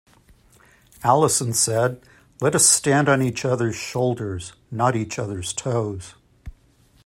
Allison said, Let us stand on each others' shoulders; not each others' toes.